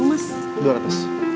semuanya jadi dua ratus ribu mas